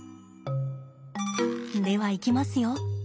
ではいきますよ。